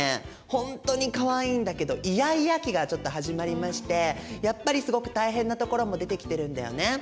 ほんとにかわいいんだけどイヤイヤ期がちょっと始まりましてやっぱりすごく大変なところも出てきてるんだよね。